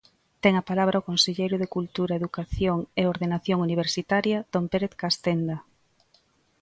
Ten a palabra o conselleiro de Cultura Educación e Ordenación Universitaria, don Pérez Castenda.